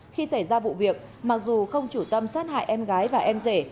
khi xảy ra vụ việc mặc dù không chủ tâm sát hại em gái và em rể